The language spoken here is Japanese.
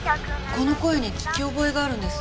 この声に聞き覚えがあるんです。